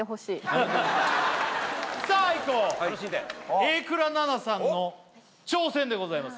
こう楽しんで榮倉奈々さんの挑戦でございます